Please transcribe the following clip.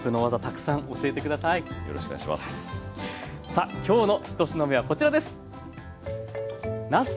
さあ今日のひと品目はこちらです！